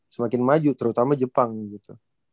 semakin maju terutama jepang gitu